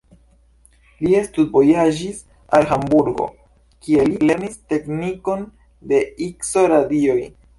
Li studvojaĝis al Hamburgo, kie li lernis teknikon de Ikso-radioj.